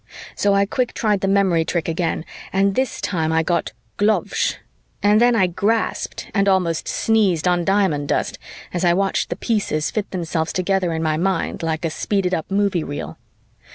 So I quick tried the memory trick again and this time I got "glovsh" and then I grasped and almost sneezed on diamond dust as I watched the pieces fit themselves together in my mind like a speeded up movie reel.